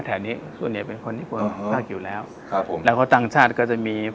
แต่จริงก็อยู่ประเทศไทยมาหลายปี